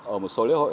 ở một số lễ hội